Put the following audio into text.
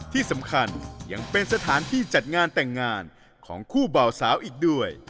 ที่สำคัญยังเป็นสถานที่จัดงานแต่งงานของคู่เบาสาวอีกด้วย